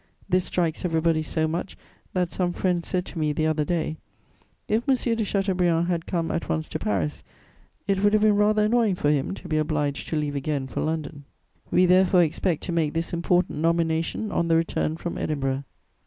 This strikes everybody so much that some friends said to me the other day: "'If M. de Chateaubriand had come at once to Paris, it would have been rather annoying for him to be obliged to leave again for London.' "We therefore expect to make this important nomination on the return from Edinburgh.